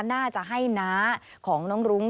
น่าจะให้น้าของน้องรุ้ง